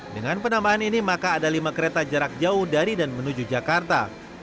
dengan penambahan ini maka ada lima kereta jarak jauh dari dan menuju jakarta